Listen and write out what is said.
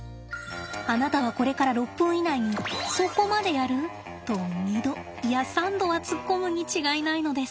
あなたはこれから６分以内に「そこまでやる？」と２度いや３度は突っ込むに違いないのです。